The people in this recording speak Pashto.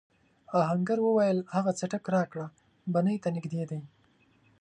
آهنګر وویل هغه څټک راکړه بنۍ ته نږدې دی.